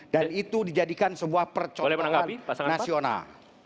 dan itu dijadikan sebuah percoklatan nasional